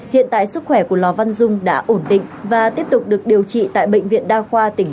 hiện tại sức khỏe của lò văn dung đã ổn định và tiếp tục được điều trị tại bệnh viện đa khoa tỉnh